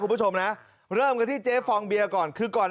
คุณผู้ชมนะเริ่มกันที่เจ๊ฟองเบียก่อนคือก่อน